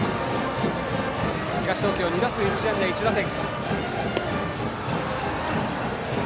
東東京２打数１安打１打点。